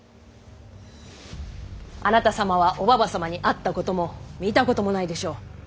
あなた様はおばば様に会ったことも見たこともないでしょう。